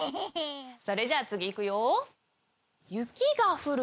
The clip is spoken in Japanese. それじゃあ次いくよ。